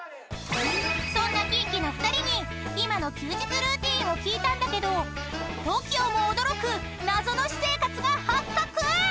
［そんなキンキの２人に今の休日ルーティンを聞いたんだけどＴＯＫＩＯも驚く謎の私生活が発覚！］